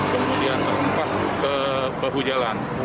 kemudian terhempas ke bahu jalan